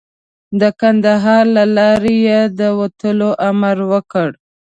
د کندهار له لارې یې د وتلو امر وکړ.